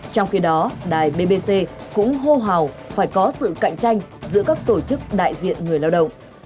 trong khi đó đài bbc cũng hô hào phải có sự cạnh tranh giữa các tổ chức đại diện người lao động